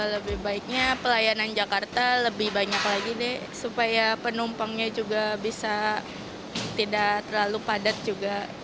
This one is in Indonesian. lebih baiknya pelayanan jakarta lebih banyak lagi deh supaya penumpangnya juga bisa tidak terlalu padat juga